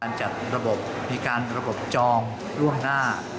จัดระบบมีการระบบจองล่วงหน้า